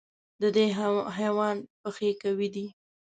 د دې حیوان پښې قوي دي.